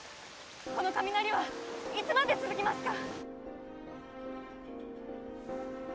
この雷は、いつまで続きますか？